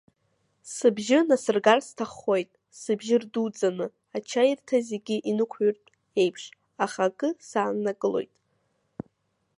Сыбжьы насыргар сҭаххоит, сыбжьы рдуӡӡаны, ачаирҭа зегьы инықәҩыртә еиԥш, аха акы сааннакылоит…